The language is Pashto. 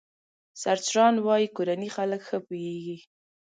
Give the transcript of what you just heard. سرچران وايي کورني خلک ښه پوهېږي.